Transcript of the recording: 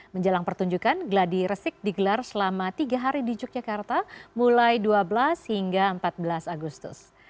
menjelang pertunjukan gladi resik digelar selama tiga hari di yogyakarta mulai dua belas hingga empat belas agustus